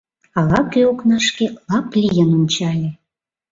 Ала-кӧ окнашке лап лийын ончале.